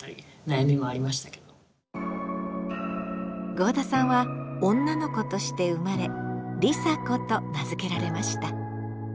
合田さんは女の子として生まれ理佐子と名付けられました。